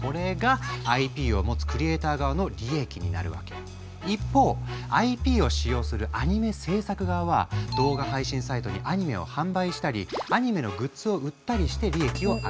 これがＩＰを持つ一方ＩＰを使用するアニメ制作側は動画配信サイトにアニメを販売したりアニメのグッズを売ったりして利益を上げる。